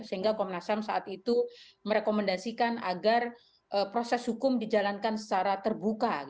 sehingga komnas ham saat itu merekomendasikan agar proses hukum dijalankan secara terbuka